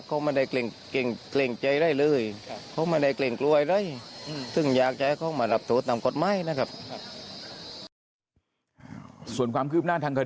เขาไม่ได้เกร็งใจได้เลย